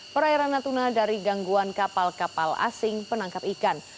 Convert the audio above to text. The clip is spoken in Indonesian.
perairan natuna dari gangguan kapal kapal asing penangkap ikan